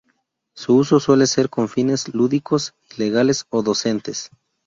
Su uso suele ser con fines lúdicos, ilegales o docentes.